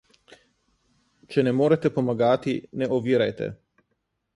Če ne morete pomagati, ne ovirajte.